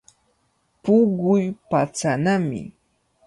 Puquy patsanami.